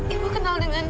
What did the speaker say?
ibu kenal dengan